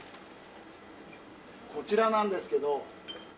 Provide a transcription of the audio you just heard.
こちらなんですけど。